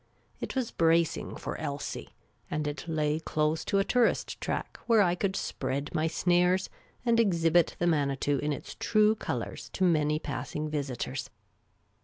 It was bracing for Klsie ; and it lay close to a tourist track where I could spread my snares and exhibit the Manitou in its true colours to many passing visitors.